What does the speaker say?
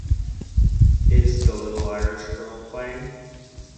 Is The Little Irish Girl playing